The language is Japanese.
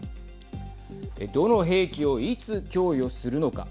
どの兵器をいつ供与するのか。